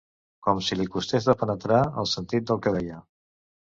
Com si li costés de penetrar el sentit del què deia